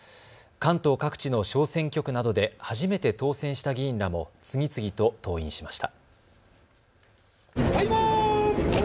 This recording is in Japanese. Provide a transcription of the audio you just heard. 関東各地の小選挙区などで初めて当選した議員らも次々と登院しました。